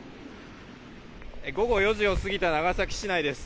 午後４時を過ぎた長崎市内です。